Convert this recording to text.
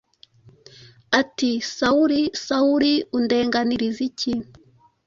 ati: “Sawuli, Sawuli, undenganiriza iki ?”